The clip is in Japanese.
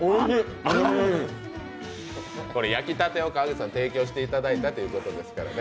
焼きたてを提供していただいたということですからね。